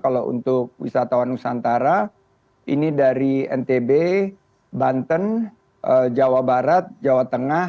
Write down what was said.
kalau untuk wisatawan nusantara ini dari ntb banten jawa barat jawa tengah